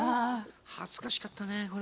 恥ずかしかったねこれ。